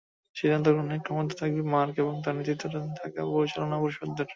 সিদ্ধান্ত গ্রহণের ক্ষমতা থাকবে মার্ক এবং তাঁর নেতৃত্বে থাকা পরিচালনা পর্ষদের।